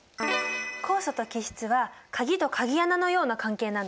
酵素と基質は鍵と鍵穴のような関係なんだよ。